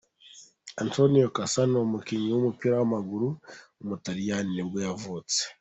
Antonio Cassano, umukinnyi w’umupira w’amaguru w’umutaliyani nibwo yavutse.